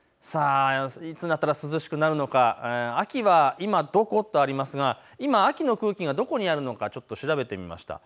いつになったら涼しくなるのか、秋は今どことありますが今、秋の空気がどこにあるのか調べてみました。